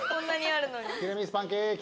ティラミスパンケーキ。